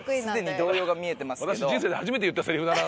「私人生で初めて言ったせりふだな」